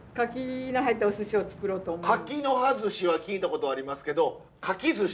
柿の葉ずしは聞いたことありますけど柿ずし？